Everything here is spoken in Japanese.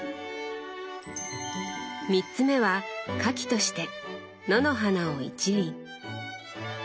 ３つ目は花器として野の花を一輪。